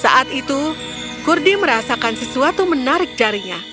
saat itu kurdi merasakan sesuatu menarik jarinya